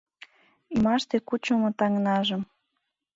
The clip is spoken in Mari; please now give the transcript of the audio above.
Ӱмаште кучымо таҥнажым